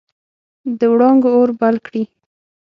د وړانګو اور بل کړي